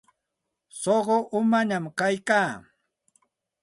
Suqu umañaq kayka.